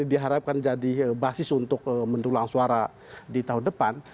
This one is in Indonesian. diharapkan jadi basis untuk mendulang suara di tahun depan